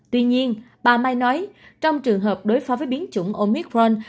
tuy nhiên bà mai nói trong trường hợp đối phó với biến chủng omicron